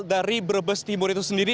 dari brebes timur itu sendiri